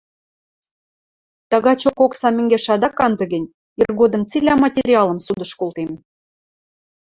Тагачок оксам мӹнгеш ада канды гӹнь, иргодым цилӓ материалым судыш колтем.